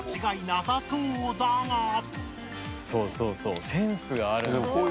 そうそうそうセンスがあるのよ